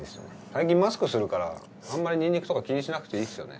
最近マスクするからあんまりニンニクとか気にしなくていいっすよね。